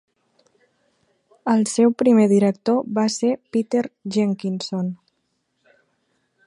El seu primer director va ser Peter Jenkinson.